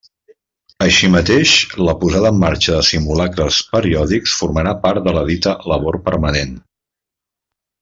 Així mateix, la posada en marxa de simulacres periòdics formarà part de la dita labor permanent.